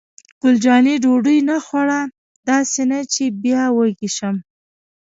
ګل جانې: ډوډۍ نه خورو؟ داسې نه چې بیا وږې شم.